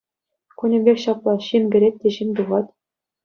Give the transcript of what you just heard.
Кунӗпех ҫапла — ҫын кӗрет те ҫын тухать.